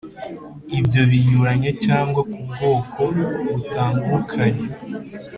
Ibyo Binyuranye cyangwa ku bwoko butangukanye